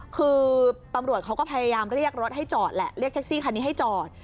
คือปำรวจเขาก็พยายามเรียกรถให้จอดเรียกแท็กซี่ให้จอด